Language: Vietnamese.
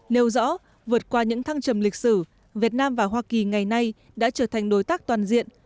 nêu rõ vượt qua những thăng trầm lịch sử việt nam và hoa kỳ ngày nay đã trở thành đối tác toàn diện